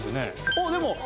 あっでも。